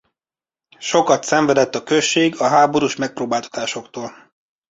Sokat szenvedett a község a háborús megpróbáltatásoktól.